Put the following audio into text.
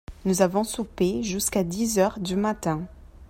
Nous avons soupé jusqu'à dix heures du matin.